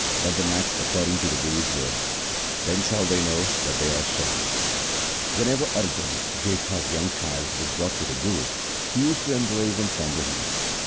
Let them act according to the Guru's words ; then shall they know that they are saved.' Whenever Arjan, Jetha's youngest child, was brought to the Guru he used to embrace and fondle him.